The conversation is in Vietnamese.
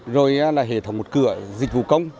rồi là hệ thống một cửa dịch vụ công